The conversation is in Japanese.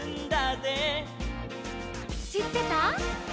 「しってた？」